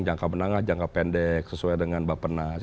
jangka menangah jangka pendek sesuai dengan bapak penas